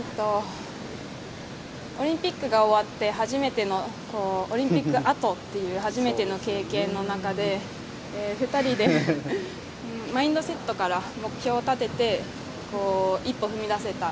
オリンピックが終わって初めてのオリンピック後という初めての経験の中で２人でマインドセットから目標を立てて一歩踏み出せた